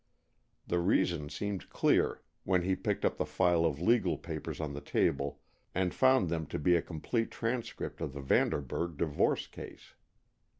The reason seemed clear when he picked up the file of legal papers on the table and found them to be a complete transcript of the Vanderburg divorce case.